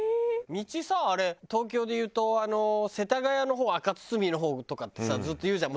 道さあれ東京でいうと世田谷の方赤堤の方とかってさずっと言うじゃん。